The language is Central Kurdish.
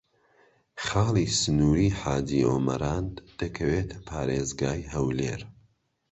خاڵی سنووریی حاجی ئۆمەران دەکەوێتە پارێزگای هەولێر.